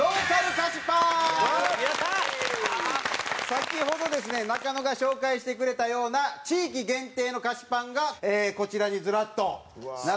先ほどですね中野が紹介してくれたような地域限定の菓子パンがこちらにずらっと並んでおります。